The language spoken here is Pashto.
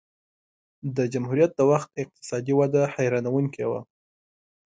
د جمهوریت د وخت اقتصادي وده حیرانوونکې وه.